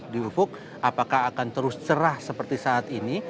di ufuk apakah akan terus cerah seperti saat ini